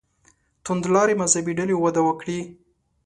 توندلارې مذهبي ډلې وده وکړي.